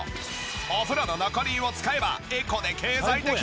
お風呂の残り湯を使えばエコで経済的。